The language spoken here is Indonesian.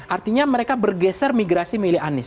artinya mereka bergeser migrasi milih anies